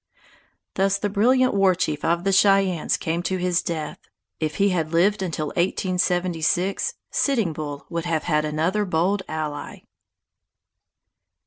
Thus the brilliant war chief of the Cheyennes came to his death. If he had lived until 1876, Sitting Bull would have had another bold ally.